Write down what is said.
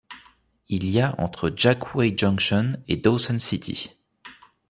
Il y a entre Jack Wade Junction et Dawson City.